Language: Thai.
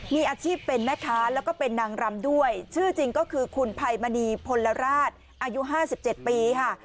มีอาชีพเป็นแม่ค้าแล้วก็เป็นนางรำด้วยชื่อจริงก็คือคุณภัยมณีพลราชอายุ๕๗ปีค่ะ